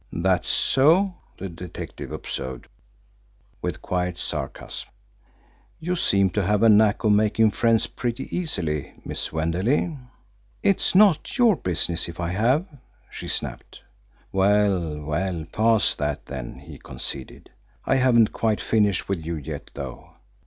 "That so?" the detective observed, with quiet sarcasm. "You seem to have a knack of making friends pretty easily, Miss Wenderley." "It is not your business if I have," she snapped. "Well, we'll pass that, then," he conceded. "I haven't quite finished with you yet, though.